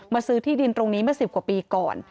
ซื้อที่ดินตรงนี้เมื่อ๑๐กว่าปีก่อน